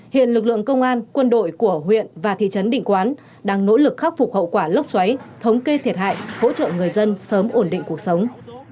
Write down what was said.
hiện lực lượng công an quân đội của huyện và thị trấn định quán đang nỗ lực khắc phục hậu quả lốc xoáy thống kê thiệt hại hỗ trợ người dân sớm ổn định cuộc sống